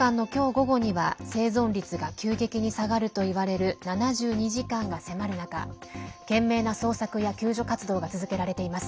午後には生存率が急激に下がるといわれる７２時間が迫る中懸命な捜索や救助活動が続けられています。